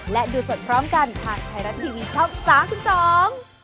และดูสดพร้อมกันทางไทยรัตน์ทีวีช่อง๓๒